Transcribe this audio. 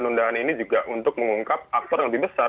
hal yang lain ini juga untuk mengungkap aksor yang lebih besar